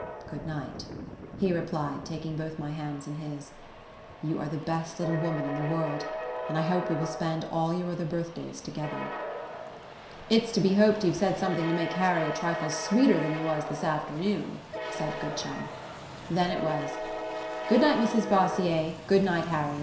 "Good night," he replied, taking both my hands in his. "You are the best little woman in the world, and I hope we will spend all your other birthdays together." "It's to be hoped you've said something to make Harry a trifle sweeter than he was this afternoon," said Goodchum. Then it was: "Good night, Mrs Bossier! Good night, Harry!